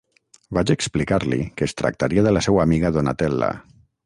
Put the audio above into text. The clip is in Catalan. Vaig explicar-li que es tractaria de la seua amiga Donatella.